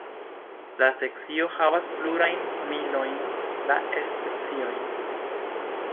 La sekcio havas plurajn milojn da specioj.